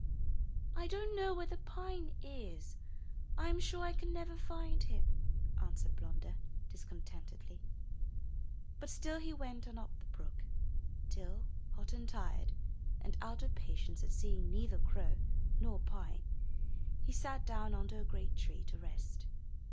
'1 don't know where the pine is, — I am sure I can never find him," answered Blunder, discontentedly; but still he went on up the brook, till, hot and tired, and out of patience at seeing neither crow nor pine, he sat down under a great tree to rest.